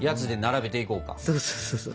そうそうそうそう。